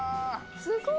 「すごい！」